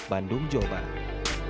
bandung jawa barat